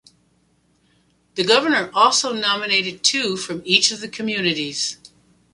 The Governor also nominated two from each of the communities.